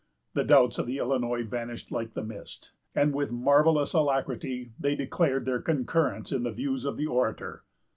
The doubts of the Illinois vanished like the mist, and with marvellous alacrity they declared their concurrence in the views of the orator.